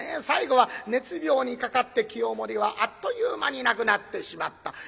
最後は熱病にかかって清盛はあっという間に亡くなってしまった。